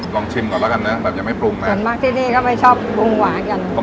ก่อนแล้วกันนะแบบยังไม่ปรุงนะเหมือนบ้างที่นี่ก็ไม่ชอบปรุงหวานอย่างนึง